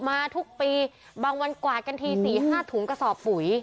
มาทุกปีบางวันกวาดกันที๔๕ถุงกระสอบปุ๋ย